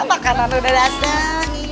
makanan udah dateng iya